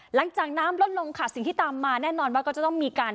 หลังจากน้ำลดลงค่ะสิ่งที่ตามมาแน่นอนว่าก็จะต้องมีการ